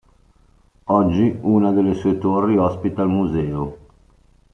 Oggi una delle sue torri ospita un museo.